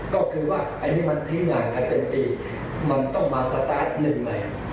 ก็คือว่าอันนี้มันทิ้งงานการเต็มตีมันต้องมาสตาร์ทหนึ่งไหม